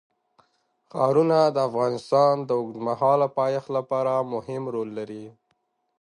ښارونه د افغانستان د اوږدمهاله پایښت لپاره مهم رول لري.